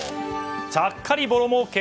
ちゃっかりぼろもうけ。